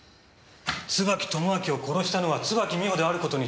椿友章を殺したのは椿美穂である事に。